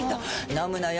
飲むのよ